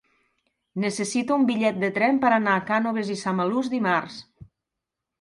Necessito un bitllet de tren per anar a Cànoves i Samalús dimarts.